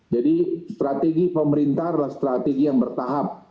jadi strategi pemerintah adalah strategi yang bertahap